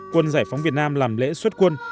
quân giải phóng việt nam làm lễ xuất quân